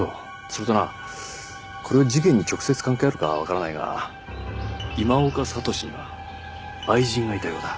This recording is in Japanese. それとなこれは事件に直接関係あるかわからないが今岡智司には愛人がいたようだ。